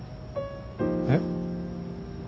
えっ？